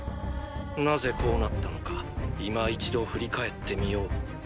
なぜこうなったのかいま一度振り返ってみよう。